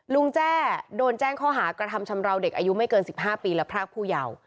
แจ้โดนแจ้งข้อหากระทำชำราวเด็กอายุไม่เกิน๑๕ปีและพรากผู้เยาว์